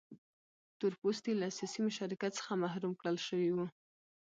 تور پوستي له سیاسي مشارکت څخه محروم کړل شوي وو.